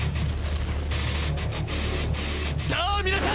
さぁ皆さん！